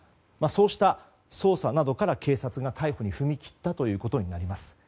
そうした捜査などから警察が逮捕に踏み切ったということになります。